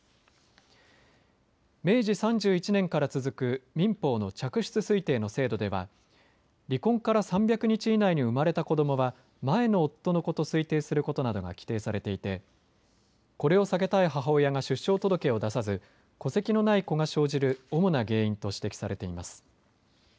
明治３１年から続く民法の嫡出推定の制度では離婚から３００日以内に生まれた子どもは前の夫の子と推定することなどが規定されていてこれを避けたい母親が出生届を出さず戸籍のない子が生じる主な原因と指摘されています。